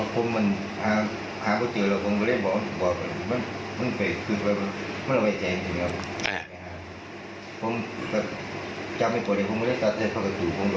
ผมก็คิดว่า